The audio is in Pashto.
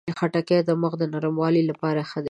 خټکی د مخ د نرموالي لپاره ښه دی.